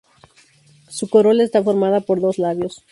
Su corola está formada por dos labios.